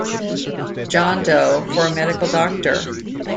John Doe' for a medical doctor.